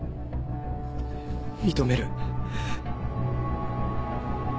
認める。